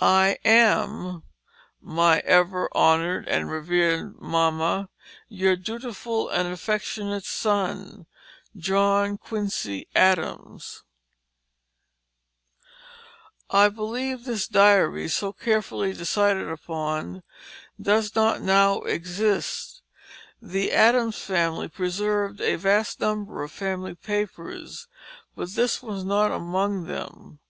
"I am my ever honoured and revered Mamma your Dutiful & Affectionate Son. "JOHN QUINCY ADAMS." [Illustration: Joshua Carter, Four Years Old, 1765] I believe this diary, so carefully decided upon, does not now exist. The Adams family preserved a vast number of family papers, but this was not among them.